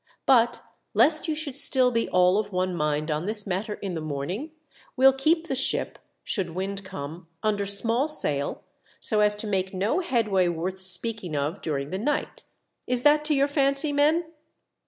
But lest you should still be all of one mind on this matter in the morning, we'll keep the ship, should wind come, under small sail, so as to make no headway worth speaking of during the night. Is that to your fancy, men?"